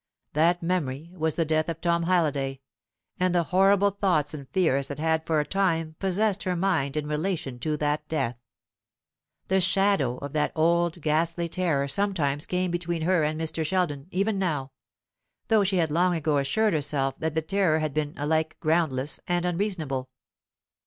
That memory was the death of Tom Halliday, and the horrible thoughts and fears that had for a time possessed her mind in relation to that death. The shadow of that old ghastly terror sometimes came between her and Mr. Sheldon, even now, though she had long ago assured herself that the terror had been alike groundless and unreasonable.